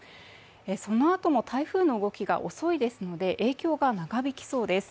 そのあとも台風の動きが遅いですので影響が長引きそうです。